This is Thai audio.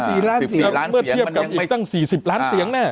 เมื่อเทียบกับอีกตั้ง๔๐ล้านเสียงน่ะ